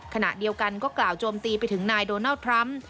ขณะเดียวกันก็กล่าวโจมตีไปถึงนายโดนัลด์ทรัมป์